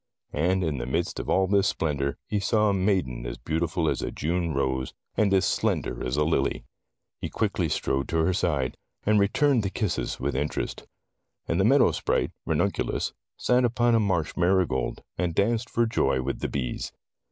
And in the midst of all this splendor, he saw a maiden as beautiful as a June rose, and as slender as a lily. He quickly strode to her side, and returned the kisses with interest. And the Meadow Sprite, Ran unculus, sat upon a marsh marigold, and danced for joy with the bees.